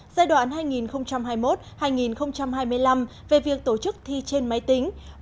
giai đoạn hai nghìn hai mươi một hai nghìn hai mươi năm về việc tổ chức thi trên máy tính